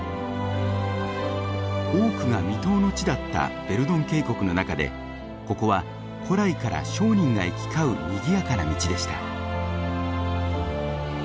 多くが未踏の地だったヴェルドン渓谷の中でここは古来から商人が行き交うにぎやかな道でした。